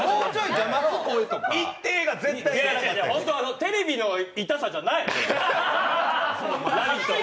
テレビの痛さじゃない。